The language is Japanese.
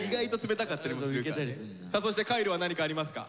さあそして海琉は何かありますか？